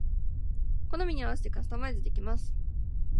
好みに合わせてカスタマイズできます